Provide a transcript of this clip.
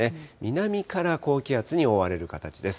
南から高気圧に覆われる形です。